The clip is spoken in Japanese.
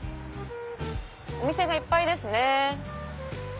お店がいっぱいですね。